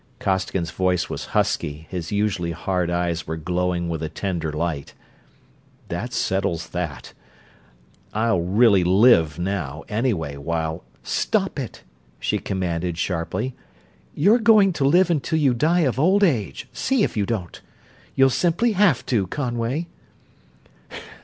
Costigan's voice was husky, his usually hard eyes were glowing with a tender light. "That settles that. I'll really live now, anyway, while...." "Stop it!" she commanded, sharply. "You're going to live until you die of old age see if you don't. You'll simply have to, Conway!"